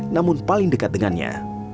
namun paling dekat dengannya